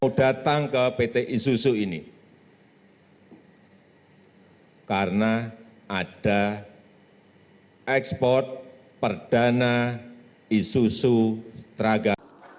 mau datang ke pt isususu ini karena ada ekspor perdana isusu traga